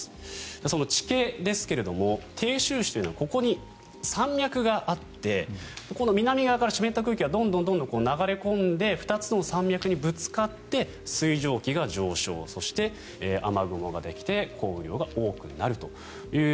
その地形ですけど鄭州市というのはここに山脈があってここの南側から湿った空気がどんどん流れ込んで２つとも山脈にぶつかって水蒸気が上昇そして、雨雲ができて降雨量が多くなるという。